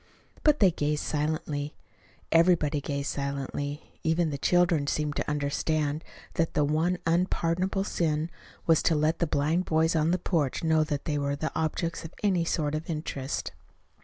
But they gazed silently. Everybody gazed silently. Even the children seemed to understand that the one unpardonable sin was to let the blind boys on the porch know that they were the objects of any sort of interest.